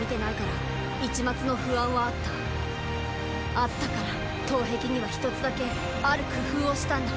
あったから東壁には一つだけある工夫をしたんだ。